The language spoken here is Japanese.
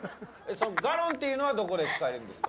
ガロンっていうのはどこで使えるんですか？